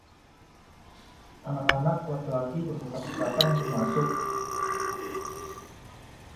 Anak-anak laki-laki berdesak-desakan untuk masuk.